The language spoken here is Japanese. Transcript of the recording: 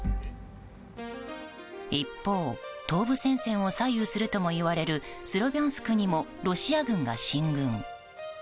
一方、東部戦線を左右するともいわれるスロビャンスクにもロシア軍が進軍。